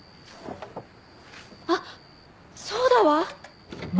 あっそうだわ！